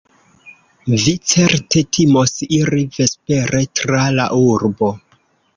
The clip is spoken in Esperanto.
Vi certe timos iri vespere tra la urbo.